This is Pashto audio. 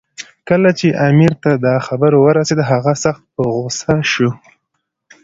کله چې امیر ته دا خبر ورسېد، هغه سخت په غوسه شو.